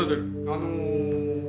あの。